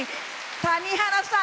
谷原さん